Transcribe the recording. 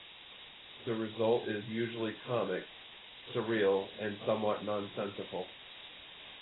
The result is usually comic, surreal and somewhat nonsensical.